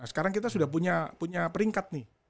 sekarang kita sudah punya peringkat nih